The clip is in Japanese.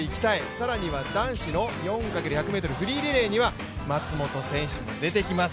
さらには男子の４×１００ｍフリーリレーには松元選手も出てきます。